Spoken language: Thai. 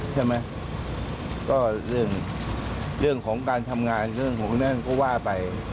ใช่ไหมก็เรื่องของการทำงานเรื่องของนั่นก็ว่าไป